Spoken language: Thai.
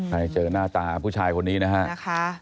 ให้เจอหน้าตาผู้ชายคนนี้นะฮะ